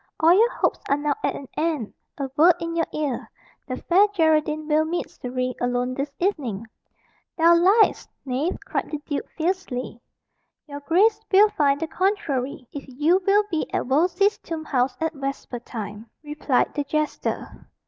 All your hopes are now at an end. A word in your ear the Fair Geraldine will meet Surrey alone this evening." "Thou liest, knave!" cried the duke fiercely. "Your grace will find the contrary, if you will be at Wolsey's tomb house at vesper time," replied the jester.